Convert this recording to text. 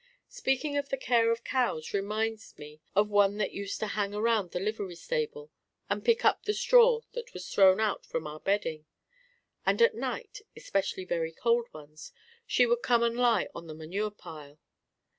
Speaking of the care of cows reminds me of one that used to hang around the livery stable and pick at the straw that was thrown out from our bedding; and at night, especially very cold ones, she would come and lie on the manure pile.